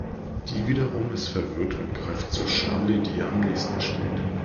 Die wiederum ist verwirrt und greift zur Schale, die ihr am nächsten steht.